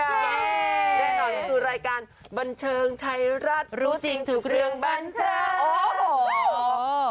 ได้รับรวมถึงรายการบันเชิงชัยรัฐรู้จริงถูกเรื่องบันเชิง